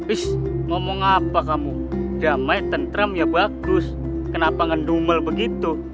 is ngomong apa kamu damai tentram ya bagus kenapa ngendumel begitu